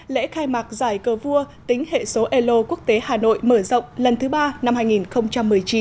lễ khai mạc giải cờ vua tính hệ số elo quốc tế hà nội mở rộng lần thứ ba năm hai nghìn một mươi chín